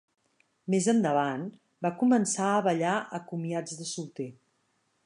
Més endavant, va començar a ballar a comiats de solter.